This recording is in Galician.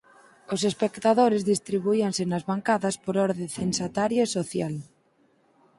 Os espectadores distribuíanse nas bancadas por orde censatario e social.